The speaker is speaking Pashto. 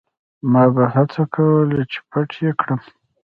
ما به هڅه کوله چې پټ یې کړم.